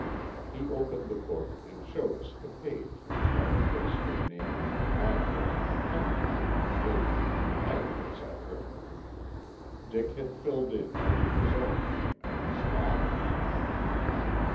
He opened the book and showed us the page which had a place for name, address, parentage, age, height, etc. Dick had filled in only his own name and his father's.